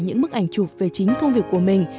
những bức ảnh chụp về chính công việc của mình